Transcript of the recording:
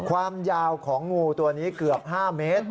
เวลาเจอข่าวงูมันก็สำคัญดู